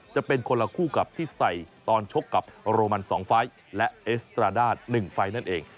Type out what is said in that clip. จะเป็นคนละคู่กับที่ใส่ตอนชกกับโรมัน๒ไฟล์และเอสตราด้า๑ไฟล์นั่นเอง